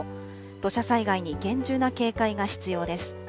土砂災害に厳重な警戒が必要です。